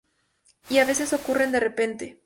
Y a veces ocurren de repente.